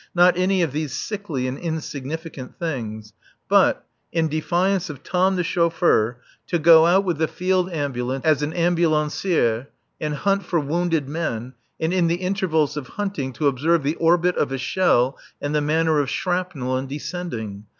Not any of these sickly and insignificant things. But in defiance of Tom, the chauffeur to go out with the Field Ambulance as an ambulancière, and hunt for wounded men, and in the intervals of hunting to observe the orbit of a shell and the manner of shrapnel in descending.